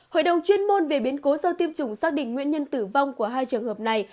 hội đồng chuyên môn về biến cố do tiêm chủng xác định nguyên nhân tử vong của hai trường hợp này